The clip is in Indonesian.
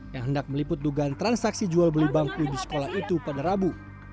yang hendak meliput dugaan transaksi jual beli bangku di sekolah itu pada rabu